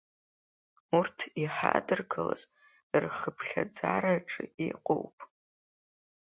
Урҭ иҳадыргалаз рхыԥхьаӡараҿы иҟоуп…